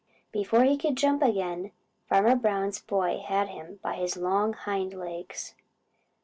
Before he could jump again Farmer Brown's boy had him by his long hind legs.